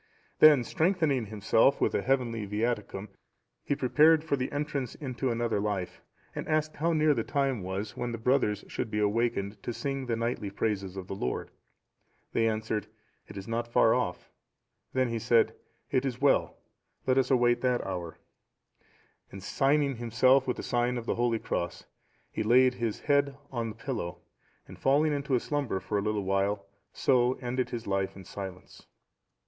Then strengthening himself with the heavenly Viaticum, he prepared for the entrance into another life, and asked how near the time was when the brothers should be awakened to sing the nightly praises of the Lord?(713) They answered, "It is not far off." Then he said, "It is well, let us await that hour;" and signing himself with the sign of the Holy Cross, he laid his head on the pillow, and falling into a slumber for a little while, so ended his life in silence.